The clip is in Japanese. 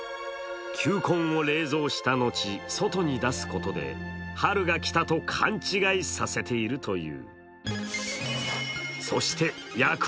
球根を冷蔵した後、外に出すことで春が来たと勘違いさせているという。